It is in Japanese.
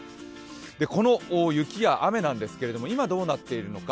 この雪や雨なんですけど今、どうなっているのか。